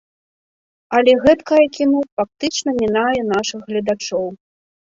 Але гэткае кіно фактычна мінае нашых гледачоў.